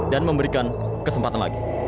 dan memberikan kesempatan